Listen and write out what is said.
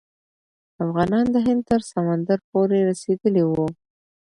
افغانان د هند تر سمندر پورې رسیدلي وو.